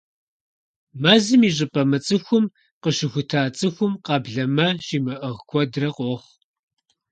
Мэзым е щӀыпӀэ мыцӀыхум къыщыхута цӀыхум къэблэмэ щимыӀыгъ куэдрэ къохъу.